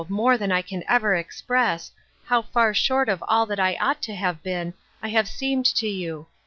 more than I can ever express, how far short of all that I ought to have been, I have seemed to you.